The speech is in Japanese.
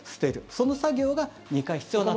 その作業が２回必要だと。